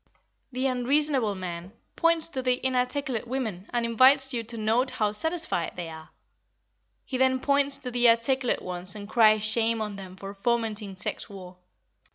The unreasonable man points to the inarticulate women and invites you to note how satisfied they are; he then points to the articulate ones and cries shame on them for fomenting sex war.